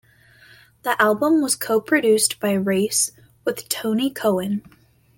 The album was co-produced by Race with Tony Cohen.